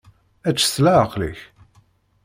Ečč s leɛqel-ik.